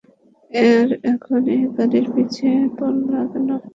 আর এখন এই গাড়ির পিছে পড়লা কেন?